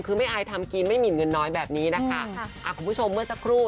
คือไม่อายทำกินไม่หมินเงินน้อยแบบนี้นะคะค่ะอ่าคุณผู้ชมเมื่อสักครู่